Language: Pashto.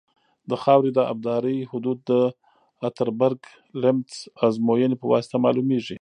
د خاورې د ابدارۍ حدود د اتربرګ لمتس ازموینې په واسطه معلومیږي